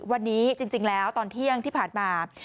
วันนี้จริงแล้วตอนเที่ยงที่ผ่านมา